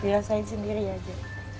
dirasain sendiri aja